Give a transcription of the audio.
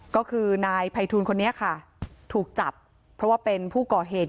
ก็คือนายภัยทูลคนนี้ค่ะถูกจับเพราะว่าเป็นผู้ก่อเหตุ